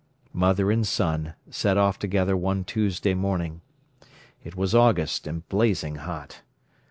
Mother and son set off together one Tuesday morning. It was August and blazing hot.